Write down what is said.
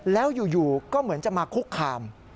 แล้วอยู่ก็เหมือนจะมาคุกคาม